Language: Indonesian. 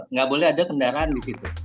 nggak boleh ada kendaraan di situ